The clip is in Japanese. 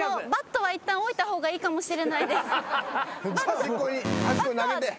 端っこに端っこに投げて。